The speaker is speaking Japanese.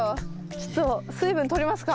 ちょっと水分とりますか。